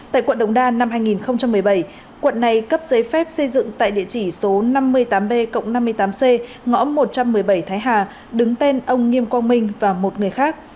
tại quận đống đa năm hai nghìn một mươi bảy quận này cấp giấy phép xây dựng tại địa chỉ số năm mươi tám b cộng năm mươi tám c ngõ một trăm một mươi bảy thái hà đứng tên ông nghiêm quang minh và một người khác